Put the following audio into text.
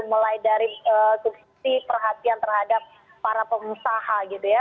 mulai dari subsidi perhatian terhadap para pengusaha gitu ya